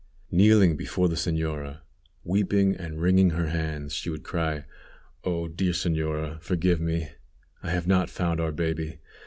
Kneeling before the señora, weeping, and wringing her hands, she would cry, "Oh! dear señora, forgive me! I have not found our baby.